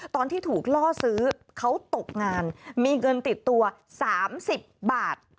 ตอนที่ถูกล่อซื้อเขาตกงานมีเงินติดตัว๓๐บาท